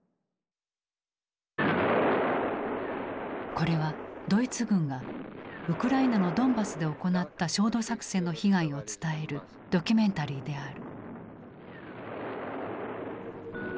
これはドイツ軍がウクライナのドンバスで行った焦土作戦の被害を伝えるドキュメンタリーである。